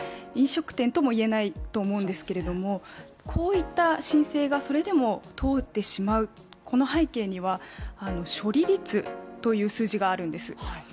飲食店とも言えないとも思うんですけれども、こういった申請がそれでも通ってしまうこの背景には処理率という数字があるんです。